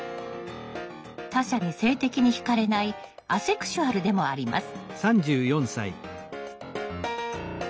他者に性的に惹かれないアセクシュアルでもあります。